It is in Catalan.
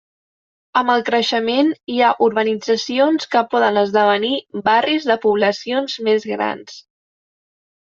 Amb el creixement, hi ha urbanitzacions que poden esdevenir barris de poblacions més grans.